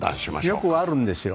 よくあるんですよ。